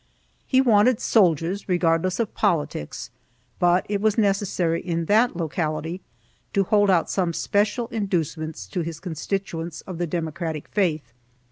He wanted soldiers, regardless of politics, but it was necessary, in that locality, to hold out some special inducements to his constituents of the Democratic faith.